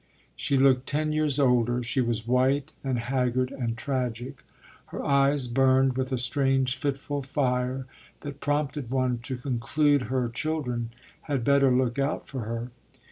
She looked ten years older; she was white and haggard and tragic. Her eyes burned with a strange fitful fire that prompted one to conclude her children had better look out for her.